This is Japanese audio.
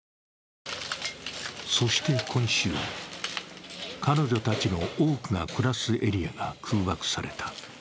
そして今週、彼女たちの多くが暮らすエリアが空爆された。